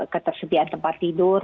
ketersediaan tempat tidur